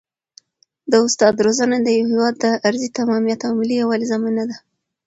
د استاد روزنه د یو هېواد د ارضي تمامیت او ملي یووالي ضامنه ده.